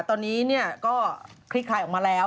ตอนนี้เนี่ยก็คลิกคลายออกมาแล้ว